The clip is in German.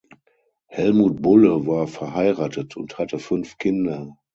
Helmut Bulle war verheiratet und hatte fünf Kinder.